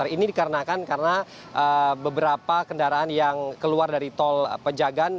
ini dikarenakan karena beberapa kendaraan yang keluar dari tol pejagan